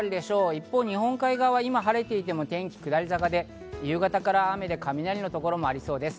一方、日本海側は今晴れていても天気は下り坂で、夕方から雨で雷のところもありそうです。